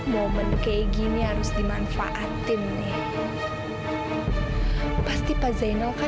momen kayak gini harus dimanfaatin nih